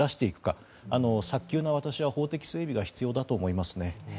私は早急な法的整備が必要だと思いますね。